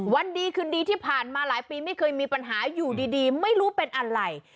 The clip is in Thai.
วันดีคืนดีที่ผ่านมาหลายปีไม่เคยมีปัญหาอยู่ดีไม่รู้เป็นอะไร